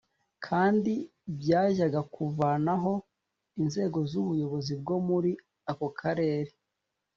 kandi byajyaga kuvanaho inzego z’ubuyobozi bwo muri ako karere